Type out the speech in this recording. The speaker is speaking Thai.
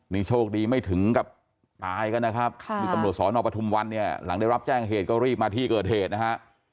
นี่โชคดีไม่ถึงกับตายกันนะครับมีตำรวจสอนอปทุมวันเนี่ยหลังได้รับแจ้งเหตุก็รีบมาที่เกิดเหตุนะฮะ